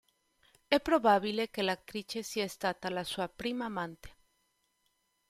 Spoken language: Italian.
È probabile che l'attrice sia stata la sua prima amante.